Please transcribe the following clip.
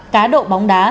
cá độ bóng đá